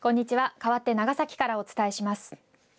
かわって長崎からお伝えします。